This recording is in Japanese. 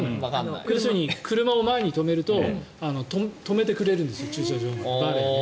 要するに車を前に止めると止めてくれるんです駐車場に。